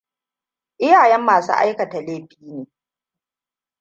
Iyayen masu aikata laifi ne!